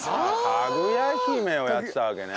『かぐや姫』をやってたわけね。